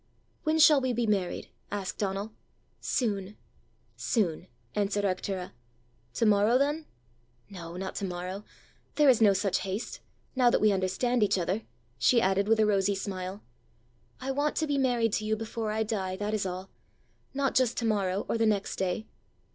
"When shall we be married?" asked Donal. "Soon, soon," answered Arctura. "To morrow then?" "No, not to morrow: there is no such haste now that we understand each other," she added with a rosy smile. "I want to be married to you before I die, that is all not just to morrow, or the next day."